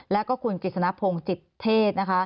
แล้วก็คุณกิจสนพงศ์จิตเทศ